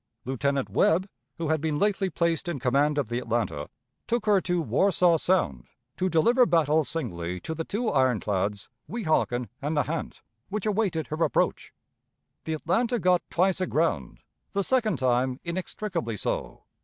Lieutenant Webb, who had been lately placed in command of the Atlanta, took her to Warsaw Sound to deliver battle singly to the two ironclads Weehawken and Nahant, which awaited her approach. The Atlanta got twice aground the second time, inextricably so.